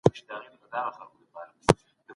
چي ستاسو سره ئې ځانګړتياوي يو شان وي، يا سره نژدې وي.